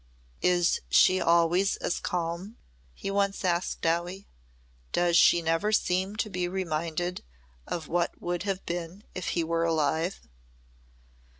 "Is she always as calm?" he once asked Dowie. "Does she never seem to be reminded of what would have been if he were alive?"